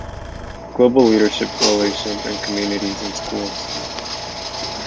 Global Leadership Coalition and Communities in Schools.